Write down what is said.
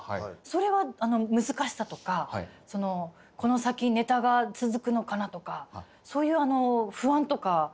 それは難しさとかこの先ネタが続くのかなとかそういう不安とかって思うことはないですか？